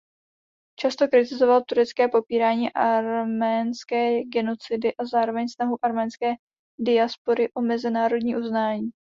Často kritizoval turecké popírání arménské genocidy a zároveň snahu arménské diaspory o mezinárodní uznání.